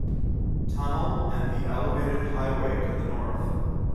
Tunnel and the elevated highway to the north.